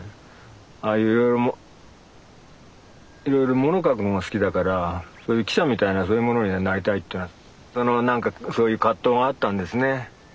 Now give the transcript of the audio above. ああいういろいろいろいろ物書くのが好きだからそういう記者みたいなそういうものになりたいっていうのはその何かそういう葛藤があったんですね。